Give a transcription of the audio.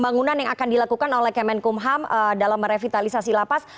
pembangunan yang akan dilakukan oleh kemenkum ham dalam merevitalisasi lapas